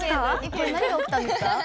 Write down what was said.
これ何が起きたんですか？